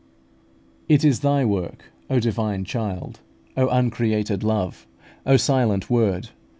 It is Thy work, O Divine Child! O uncreated Love! O silent Word!